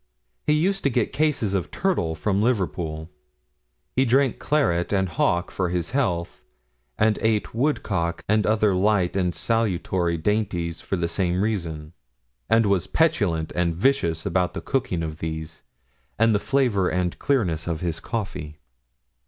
He used to get cases of turtle from Liverpool. He drank claret and hock for his health, and ate woodcock and other light and salutary dainties for the same reason; and was petulant and vicious about the cooking of these, and the flavour and clearness of his coffee.